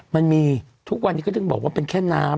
มันมีทุกวันนี้ก็ถึงบอกว่าเป็นแค่น้ำ